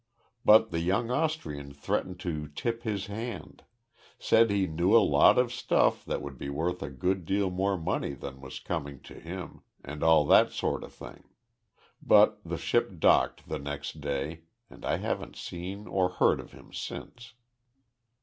But the young Austrian threatened to tip his hand said he knew a lot of stuff that would be worth a good deal more money than was coming to him, and all that sort of thing. But the ship docked the next day and I haven't seen or heard of him since."